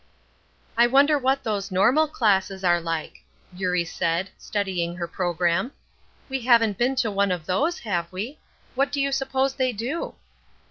"I wonder what those normal classes are like?" Eurie said, studying her programme. "We haven't been to one of those, have we? What do you suppose they do?"